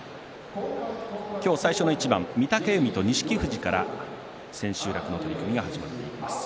今日最初の一番御嶽海と錦富士から千秋楽の取組が始まっていきます。